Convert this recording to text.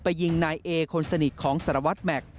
ยิงนายเอคนสนิทของสารวัตรแม็กซ์